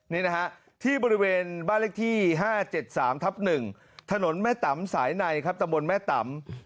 นี่นะฮะที่บริเวณบ้านเลขที่๕๗๓ทับ๑ถนนแม่ตำสายในครับตะบนแม่ตำ